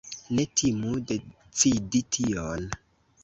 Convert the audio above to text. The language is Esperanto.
Ne timu decidi tion!